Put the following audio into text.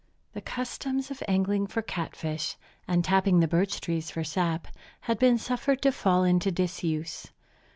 The customs of angling for catfish and tapping the birch trees for sap, had been suffered to fall into disuse.